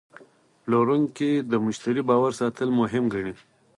پلورونکی د مشتری باور ساتل مهم ګڼي.